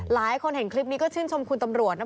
หลายคนเห็นคลิปนี้ก็ชื่นชมคุณตำรวจนะ